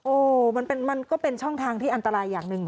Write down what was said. โอ้โหมันก็เป็นช่องทางที่อันตรายอย่างหนึ่ง